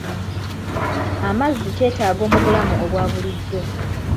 Amazzi kyetaago bu bulamu obwa bulijjo.